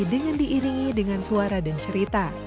dengan diiringi dengan suara dan cerita